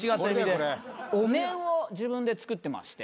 お面を自分で作ってまして。